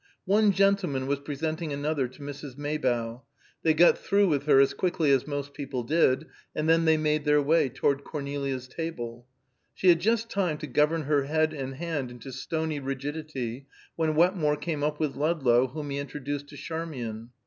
One gentleman was presenting another to Mrs. Maybough. They got through with her as quickly as most people did, and then they made their way toward Cornelia's table. She had just time to govern her head and hand into stony rigidity, when Wetmore came up with Ludlow, whom he introduced to Charmian.